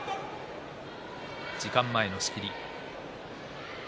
時間前の仕切り。